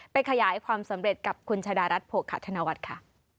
ขยายความสำเร็จกับคุณชาดารัฐโภคะธนวัฒน์ค่ะ